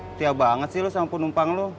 setia banget sih lo sama penumpang lo